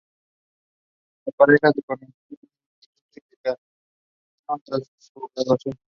La pareja se conoció en el instituto y se casaron tras su graduación.